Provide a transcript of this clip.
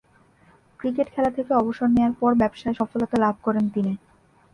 Cricket খেলা থেকে অবসর নেয়ার পর ব্যবসায়ে সফলতা লাভ করেন তিনি।